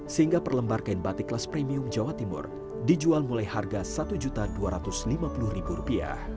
sehingga per lembar kain batik kelas premium jawa timur dijual mulai harga rp satu dua ratus lima puluh